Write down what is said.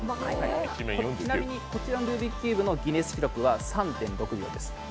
ちなみにこちらのルービックキューブのギネス記録は３．６秒です。